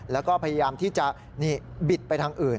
แล้วก็พยายามที่จะบิดไปทางอื่น